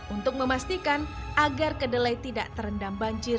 untuk memastikan agar kedelai tidak terendam banjir